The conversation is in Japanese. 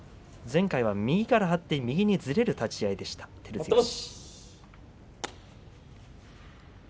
前回は右から張って右にずれる立ち合いでした照強。